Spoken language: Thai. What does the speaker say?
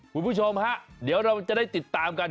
คุณผู้ชมฮะเดี๋ยวเราจะได้ติดตามกัน